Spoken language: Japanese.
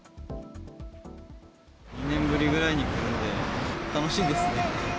２年ぶりぐらいに来たので、楽しいですね。